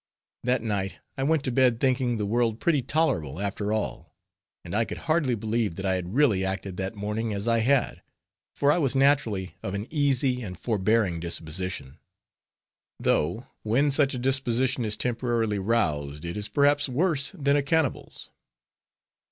That night I went to bed thinking the world pretty tolerable, after all; and I could hardly believe that I had really acted that morning as I had, for I was naturally of an easy and forbearing disposition; though when such a disposition is temporarily roused, it is perhaps worse than a cannibal's.